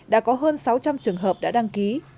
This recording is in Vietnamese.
đã có hơn sáu trăm linh trường hợp đã đăng ký